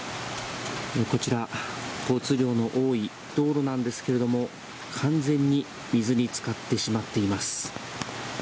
こちら、交通量の多い道路なんですけれども完全に水に浸かってしまっています。